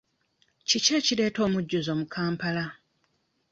Kiki ekireeta omujjuzo mu Kampala?